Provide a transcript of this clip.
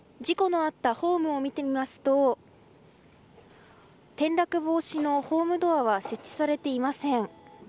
事故のあったホームを見てみますと転落防止のホームドアは設置されていません。